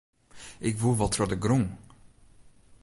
Ik woe wol troch de grûn.